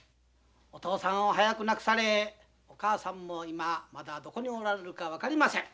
お父さんを早く亡くされお母さんも今まだどこにおられるか分かりません。